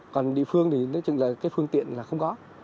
còn địa phương thì nếu chừng là phương tiện là không có